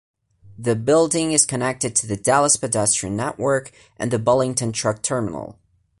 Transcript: The building is connected to the Dallas Pedestrian Network and the Bullington Truck Terminal.